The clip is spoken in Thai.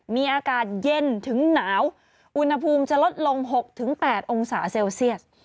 มีอากาศเย็นถึงหนาวอุณหภูมิจะลดลง๖๘องศาเซลเซียส